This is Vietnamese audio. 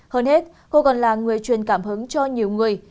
hơn hết cô còn là người truyền cảm hứng cho nhiều người